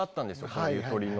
この『ゆとり』の。